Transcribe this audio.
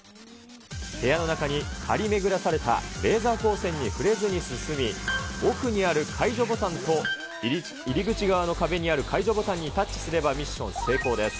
部屋の中に張り巡らされたレーザー光線に触れずに進み、奥にある解除ボタンと入り口側の壁にある解除ボタンにタッチすれば、ミッション成功です。